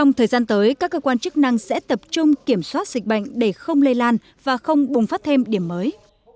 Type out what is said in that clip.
thời gian tới các cơ quan chức năng sẽ tập trung kiểm soát dịch bệnh để không lây lan và không bùng phát thêm điểm mới